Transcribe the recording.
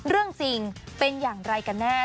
เรื่องจริงเป็นอย่างไรกันแน่